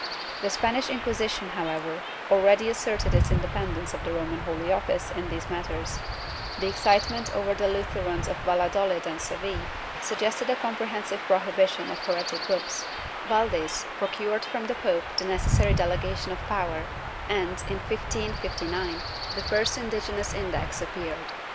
^ The Spanish Inquisition, however, already asserted its independence of the Roman Holy Office in these matters; the excitement over the Lutherans of Valladolid and Seville suggested a comprehensive prohibition of heretic books; Valdes procured from the pope the necessary delegation of power and, in 1559, the first indigenous Index appeared.